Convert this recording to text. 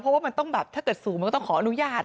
เพราะว่ามันต้องแบบถ้าเกิดสูงมันก็ต้องขออนุญาต